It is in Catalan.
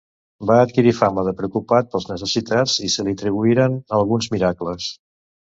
Va adquirir fama de preocupat pels necessitats i se li atribuïren alguns miracles.